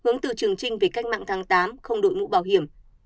hướng từ trường trinh về cách mạng tháng tám không đội mũ bảo hiểm